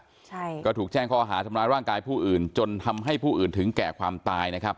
ใช่ก็ถูกแจ้งข้อหาทำร้ายร่างกายผู้อื่นจนทำให้ผู้อื่นถึงแก่ความตายนะครับ